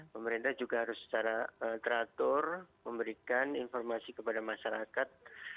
pemerintah juga harus secara teratur memberikan informasi kepada masyarakat